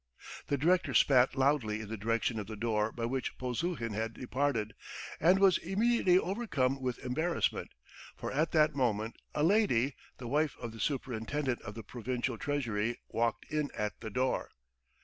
The director spat loudly in the direction of the door by which Polzuhin had departed, and was immediately overcome with embarrassment, for at that moment a lady, the wife of the Superintendent of the Provincial Treasury, walked in at the door.